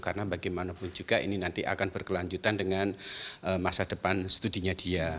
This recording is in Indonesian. karena bagaimanapun juga ini nanti akan berkelanjutan dengan masa depan studinya dia